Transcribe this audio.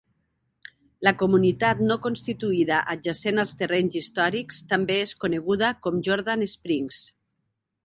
La comunitat no constituïda adjacent als terrenys històrics també es coneguda com Jordan Springs.